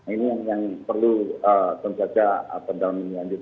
ini yang perlu penjajah pendalaman ini lanjut